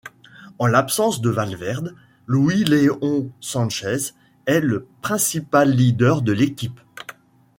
En l'absence de Valverde, Luis León Sánchez est le principal leader de l'équipe.